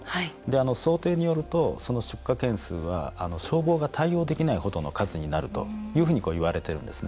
想定によると出火件数は消防が対応できない数になるといわれているんです。